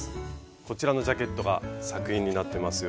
こちらのジャケットが作品になってますよ。